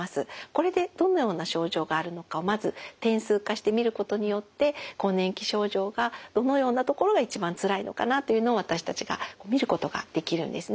これでどのような症状があるのかをまず点数化して見ることによって更年期症状がどのようなところが一番つらいのかなというのを私たちが見ることができるんですね。